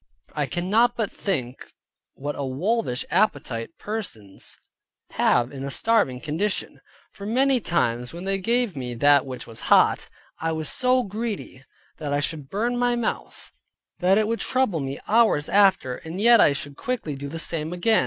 I cannot but think what a wolvish appetite persons have in a starving condition; for many times when they gave me that which was hot, I was so greedy, that I should burn my mouth, that it would trouble me hours after, and yet I should quickly do the same again.